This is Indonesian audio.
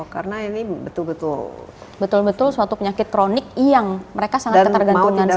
karena ini betul betul suatu penyakit kronik yang mereka sangat ketergantungan sama darah